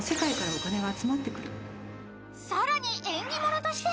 ［さらに縁起物として］